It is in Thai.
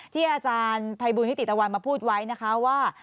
ที่อาจารย์ภัยบูลนิติตะวันมาพูดไว้นะคะว่า